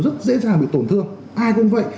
rất dễ dàng bị tổn thương ai cũng vậy